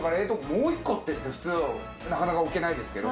もう１個って普通なかなか置けないですけど。